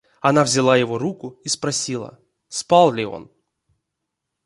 Она взяла его руку и спросила, спал ли он.